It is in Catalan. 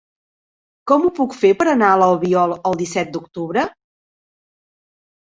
Com ho puc fer per anar a l'Albiol el disset d'octubre?